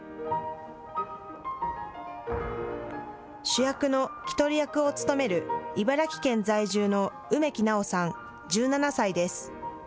主役のキトリ役を務める茨城県在住の梅木那央さん、１７歳です。